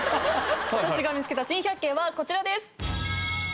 私が見つけた珍百景はこちらです。